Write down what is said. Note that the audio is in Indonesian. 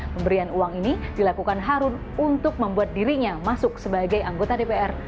pemberian uang ini dilakukan harun untuk membuat dirinya masuk sebagai anggota dpr